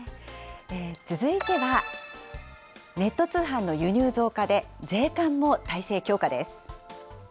続いては、ネット通販の輸入増加で、税関も態勢強化です。